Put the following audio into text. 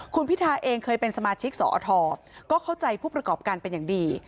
คุณพิทาเองเคยเป็นสมาชิกสอทก็เข้าใจผู้ประกอบการเป็นอย่างดี